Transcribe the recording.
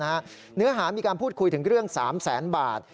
เนื้อหามีการพูดคุยถึงเรื่อง๓แสนบาท